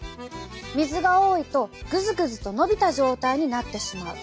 水が多いとぐずぐずとのびた状態になってしまう。